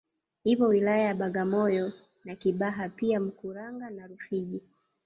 Ipo wilaya ya Bagamoyo na Kibaha pia Mkuranga na Rufiji